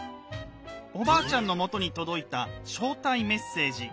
おばあちゃんのもとに届いた招待メッセージ。